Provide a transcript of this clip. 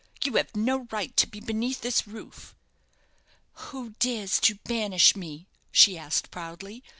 You have no right to be beneath this roof." "Who dares to banish me?" she asked, proudly.